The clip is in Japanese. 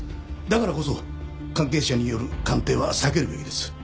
だからこそ関係者による鑑定は避けるべきです。